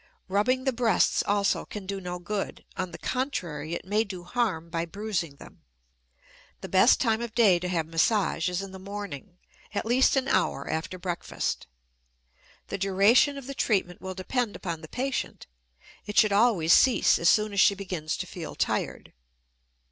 Rubbing the breasts also can do no good; on the contrary, it may do harm by bruising them. The best time of day to have massage is in the morning, at least an hour after breakfast. The duration of the treatment will depend upon the patient; it should always cease as soon as she begins to feel tired.